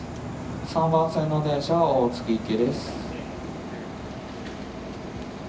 ３番線の電車は大月行きです。